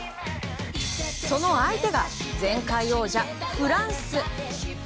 その相手が前回王者フランス。